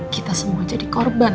kita semua jadi korban